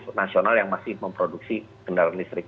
untuk nasional yang masih memproduksi kendaraan listrik